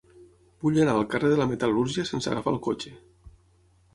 Vull anar al carrer de la Metal·lúrgia sense agafar el cotxe.